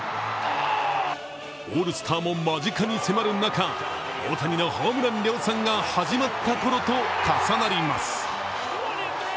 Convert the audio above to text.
オールスターも間近に迫る中、大谷のホームラン量産が始まったころと重なります。